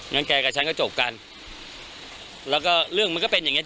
งั้นแกกับฉันก็จบกันแล้วก็เรื่องมันก็เป็นอย่างเงี้